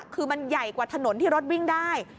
คือมันใหญ่กว่าถนนที่รถวิ่งได้